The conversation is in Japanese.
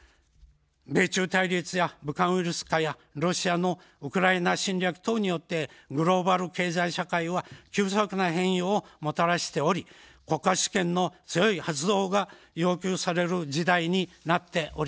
米中対立や武漢ウイルス禍やロシアのウクライナ侵略等によってグローバル経済社会は急速な変容をもたらしており、国家主権の強い発動が要求される時代になっております。